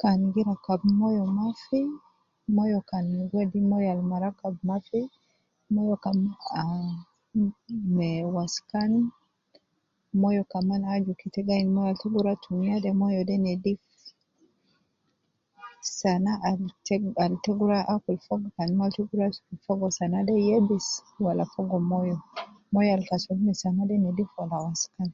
Kan gi rakabu moyo maafi moyo kan gi wedi moyo Al marakabu maafi moyo kan aah waskan me waskan moyo kaman aju tainu kan moyo de te guruwa tumiya denedifu. Sana